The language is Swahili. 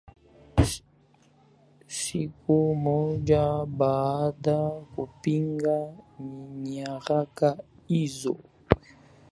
siku moja baada kupinga nyaraka hizo